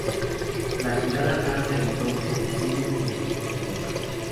La ciudad alcanza entonces el cenit de su esplendor.